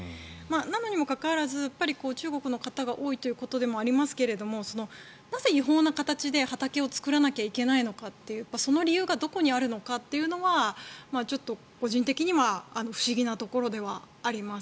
なのにもかかわらず、中国の方が多いということでもありますがなぜ違法な形で畑を作らなければいけないのかというその理由がどこにあるのかというのはちょっと、個人的には不思議なところではあります。